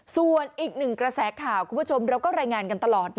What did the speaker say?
ส่วนอีกหนึ่งกระแสข่าวคุณผู้ชมเราก็รายงานกันตลอด